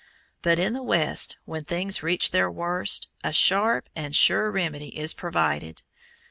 But in the West, when things reach their worst, a sharp and sure remedy is provided.